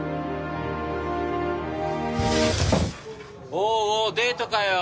おうおうデートかよ。